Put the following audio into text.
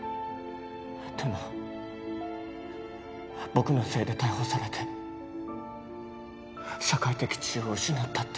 でも僕のせいで逮捕されて社会的地位を失ったって。